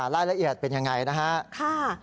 รายละเอียดเป็นยังไงนะครับ